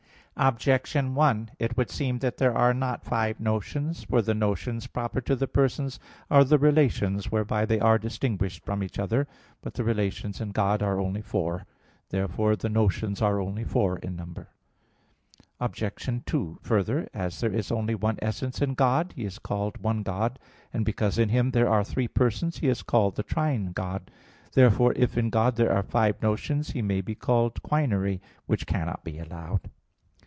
Objection 1: It would seem that there are not five notions. For the notions proper to the persons are the relations whereby they are distinguished from each other. But the relations in God are only four (Q. 28, A. 4). Therefore the notions are only four in number. Obj. 2: Further, as there is only one essence in God, He is called one God, and because in Him there are three persons, He is called the Trine God. Therefore, if in God there are five notions, He may be called quinary; which cannot be allowed.